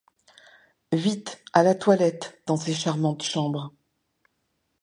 Vite à la toilette dans ces charmantes chambres.